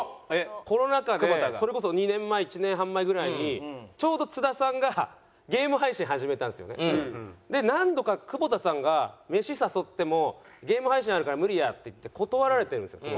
コロナ禍でそれこそ２年前１年半前ぐらいにちょうど津田さんが何度か久保田さんがメシ誘っても「ゲーム配信あるから無理や」って言って断られてるんですよ。